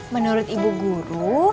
menurut ibu guru